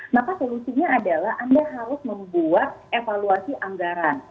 maka solusinya adalah anda harus membuat evaluasi anggaran